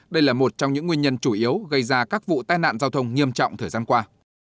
đây là một trong những nguyên nhân chủ yếu gây ra các vụ tai nạn giao thông nghiêm trọng thời gian qua